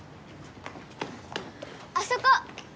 あそこ！